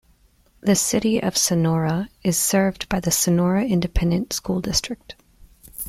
The City of Sonora is served by the Sonora Independent School District.